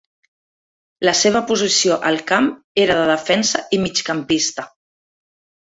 La seva posició al camp era de defensa i migcampista.